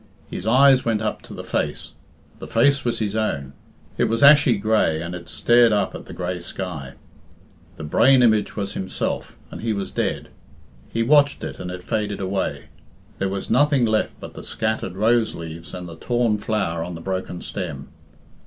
His eyes went up to the face. The face was his own. It was ashy grey, and it stared up at the grey sky. The brain image was himself, and he was dead. He watched it, and it faded away. There was nothing left but the scattered rose leaves and the torn flower on the broken stem.